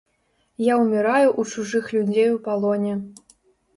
Я ўміраю ў чужых людзей у палоне.